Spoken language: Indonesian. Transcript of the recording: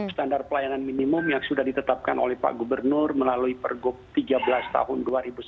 standar pelayanan minimum yang sudah ditetapkan oleh pak gubernur melalui pergub tiga belas tahun dua ribu sembilan belas